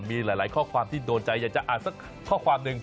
มีหลายข้อความที่โดนใจอยากจะอ่านสักข้อความหนึ่ง